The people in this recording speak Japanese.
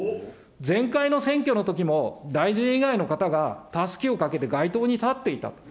前回の選挙のときも、大臣以外の方がたすきをかけて街頭に立っていた。